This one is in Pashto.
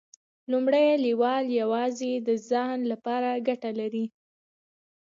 لومړی لیول یوازې د ځان لپاره ګټه ده.